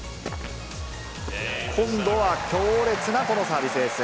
今度は強烈なこのサービスエース。